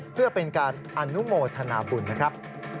เพื่อเป็นการอนุโมทนาบุญนะครับ